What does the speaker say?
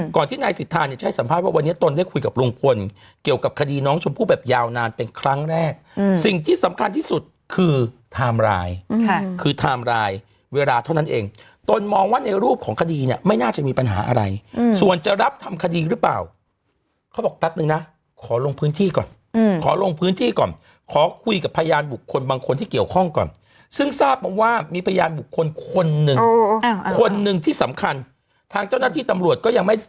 ก่อนที่นายสิทธาเนี่ยใช้สัมภาพว่าวันนี้ตนได้คุยกับลุงคลเกี่ยวกับคดีน้องชมผู้แบบยาวนานเป็นครั้งแรกสิ่งที่สำคัญที่สุดคือทามรายคือทามรายเวลาเท่านั้นเองตนมองว่าในรูปของคดีเนี่ยไม่น่าจะมีปัญหาอะไรส่วนจะรับทำคดีหรือเปล่าเขาบอกแป๊บนึงนะขอลงพื้นที่ก่อนขอลงพื้นที่ก่อนขอคุ